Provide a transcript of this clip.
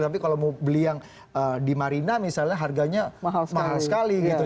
tapi kalau mau beli yang di marina misalnya harganya mahal sekali gitu